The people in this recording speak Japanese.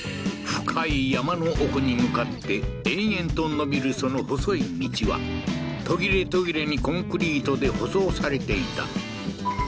深い山の奥に向かって延々と伸びるその細い道は途切れ途切れにコンクリートで舗装されていた